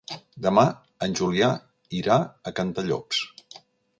Demà en Julià irà a Cantallops.